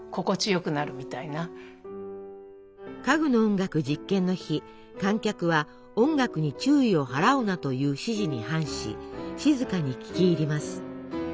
「家具の音楽」実験の日観客は「音楽に注意を払うな」という指示に反し静かに聴き入ります。